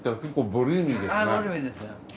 ボリューミーですよ。